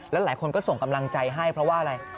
แล้วหลายคนก็ส่งกำลังใจให้เพราะว่าอะไร